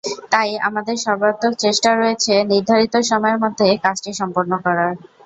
তাই আমাদের সর্বাত্মক চেষ্টা রয়েছে নির্ধারিত সময়ের মধ্যেই কাজটি সম্পন্ন করার।